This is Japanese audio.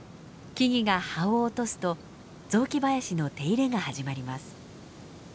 木々が葉を落とすと雑木林の手入れが始まります。